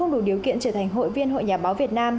đủ điều kiện trở thành hội viên hội nhà báo việt nam